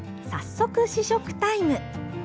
早速試食タイム！